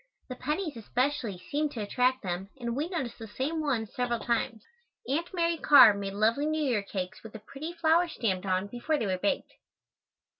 The pennies, especially, seemed to attract them and we noticed the same ones several times. Aunt Mary Carr made lovely New Year cakes with a pretty flower stamped on before they were baked.